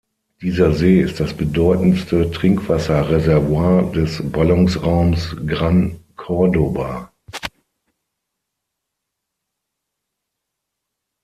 Dieser See ist das bedeutendste Trinkwasser-Reservoir des Ballungsraums Gran Córdoba.